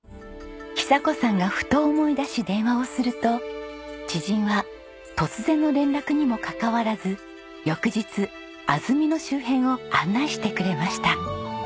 寿子さんがふと思い出し電話をすると知人は突然の連絡にもかかわらず翌日安曇野周辺を案内してくれました。